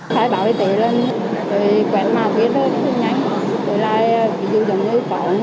khai báo y tế lên rồi quét mã qr thêm nhạc rồi lại dùng dòng gửi cổng